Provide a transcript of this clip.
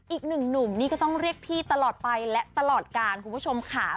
อีกหนึ่งหนุ่มนี่ก็ต้องเรียกพี่ตลอดไปและตลอดกาลคุณผู้ชมค่ะ